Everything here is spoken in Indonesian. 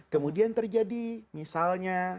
kemudian terjadi misalnya